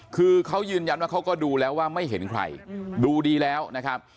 คือเขายืนยันว่าเขาก็ดูแล้วว่าไม่เห็นใครดูดีแล้วนะครับ